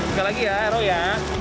masih lagi ya ero ya